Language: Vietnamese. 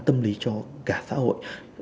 tâm lý cho cả xã hội